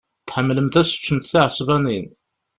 Tḥemmlemt ad teččemt tiɛesbanin.